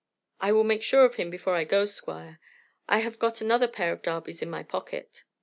"I will make sure of him before I go, Squire. I have got another pair of darbys in my pocket."